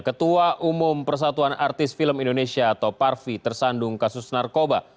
ketua umum persatuan artis film indonesia atau parvi tersandung kasus narkoba